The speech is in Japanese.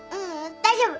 大丈夫。